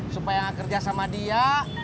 supaya kerja sama dia